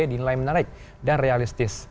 dinilai menarik dan realistis